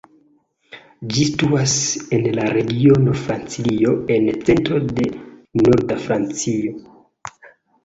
Ĝi situas en la regiono Francilio en centro de norda Francio.